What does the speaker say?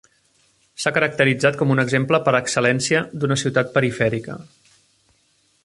S'ha caracteritzat com un exemple per excel·lència d'una ciutat perifèrica.